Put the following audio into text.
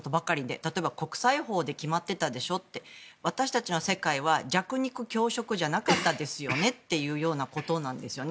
例えば国際法で決まってたでしょって私たちの世界は弱肉強食じゃなかったですよねということなんですね。